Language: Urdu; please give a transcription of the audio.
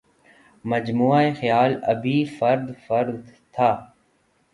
مجموعہ خیال ابھی فرد فرد تھا